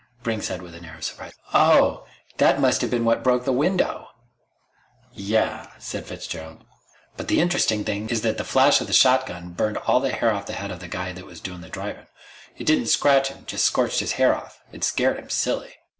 Brink said with an air of surprise: "Oh! That must have been what broke the window!" "Yeah," said Fitzgerald. "But the interesting thing is that the flash of the shotgun burned all the hair off the head of the guy that was doin' the drivin'. It didn't scratch him, just scorched his hair off. It scared him silly."